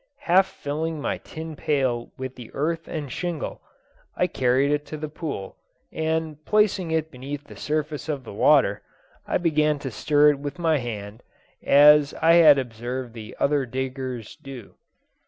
Half filling my tin pail with the earth and shingle, I carried it to the pool, and placing it beneath the surface of the water, I began to stir it with my hand, as I had observed the other diggers do.